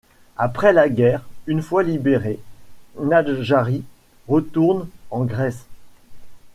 Après la guerre, une fois libéré, Nadjari retourne en Grèce.